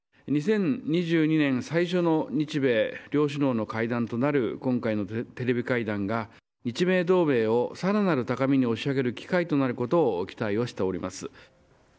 ２０２２年、最初の日米両首脳の会談となる今回のテレビ会談が、日米同盟をさらなる高みに押し上げる機会となることを期待をしております。